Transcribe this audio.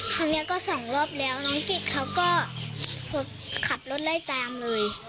ครั้งนี้ก็สองรอบแล้วน้องกิจเขาก็ขับรถไล่ตามเลย